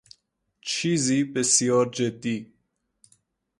چیزی بسیار جدی